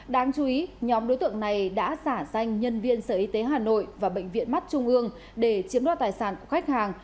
đáng chú ý nhóm đối tượng này đã giả danh nhân viên sở y tế hà nội và bệnh viện mắt trung ương để chiếm đo tài sản của khách hàng